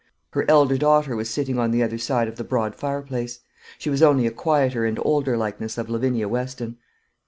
Her elder daughter was sitting on the other side of the broad fireplace. She was only a quieter and older likeness of Lavinia Weston.